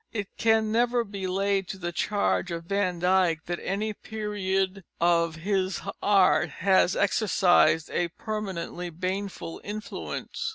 It can never be laid to the charge of Van Dyck that any period of his art has exercised a permanently baneful influence.